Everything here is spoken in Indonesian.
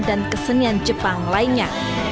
dan kesenian jepang lainnya